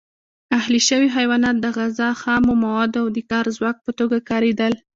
اهلي شوي حیوانات د غذا، خامو موادو او د کار ځواک په توګه کارېدل.